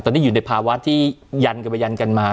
ตอนนี้อยู่ในภาวะที่ยันกันไปยันกันมา